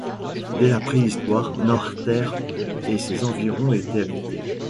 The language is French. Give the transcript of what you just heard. Dès la préhistoire, Noirterre et ses environs étaient habités.